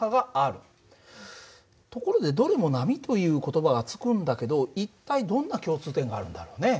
ところでどれも波という言葉が付くんだけど一体どんな共通点があるんだろうね？